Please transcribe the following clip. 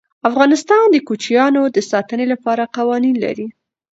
افغانستان د کوچیانو د ساتنې لپاره قوانین لري.